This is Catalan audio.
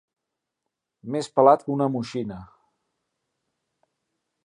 Més pelat que una moixina.